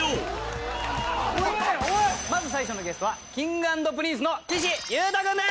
まず最初のゲストはＫｉｎｇ＆Ｐｒｉｎｃｅの岸優太君です。